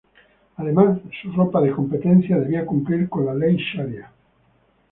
Además, su ropa de competencia debía cumplir con la ley Sharia.